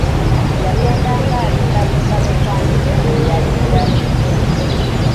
Yagendanga alimbalimba mikwano gye nti yali mulwadde!